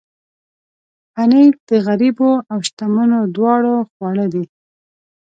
پنېر د غریبو او شتمنو دواړو خواړه دي.